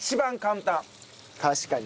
確かに。